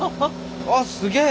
あっすげえ！